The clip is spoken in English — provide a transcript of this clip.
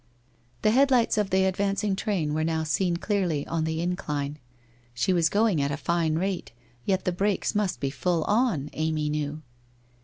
The headlights of the advancing train were now seen clearly on the incline. She was going at a fine rate, yet the brakes must be full on, Amy knew.